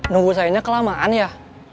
nunggu saya ini kelamaan ya